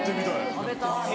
食べたい。